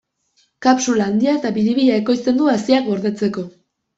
Kapsula handia eta biribila ekoizten du haziak gordetzeko.